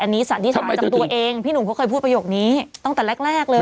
อันนี้สันนิษฐานจากตัวเองพี่หนุ่มเขาเคยพูดประโยคนี้ตั้งแต่แรกแรกเลย